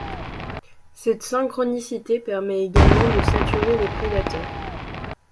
Cette synchronicité permet également de saturer les prédateurs.